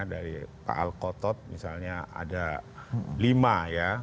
dari pak alkotot misalnya ada lima ya